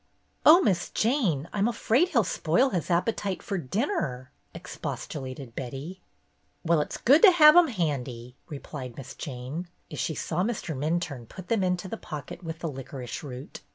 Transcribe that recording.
"Oh, Miss Jane, I'm afraid he'll spoil his appetite for dinner," expostulated Betty. "Well, it's good to have 'em handy," re plied Miss Jane, as she saw Minturne put them into the pocket with the licorice root.